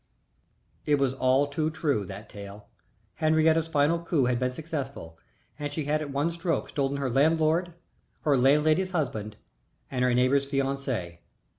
It was all too true, that tale. Henriette's final coup had been successful, and she had at one stroke stolen her landlord, her landlady's husband, and her neighbor's fiancé.